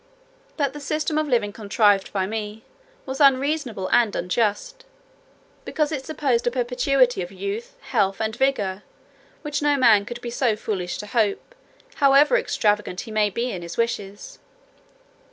"That the system of living contrived by me, was unreasonable and unjust; because it supposed a perpetuity of youth, health, and vigour, which no man could be so foolish to hope, however extravagant he may be in his wishes.